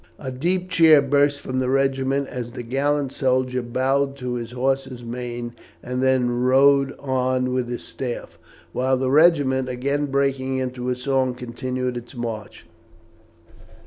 A deep cheer burst from the regiment as the gallant soldier bowed to his horse's mane and then rode on with his staff, while the regiment, again breaking into a song, continued its march.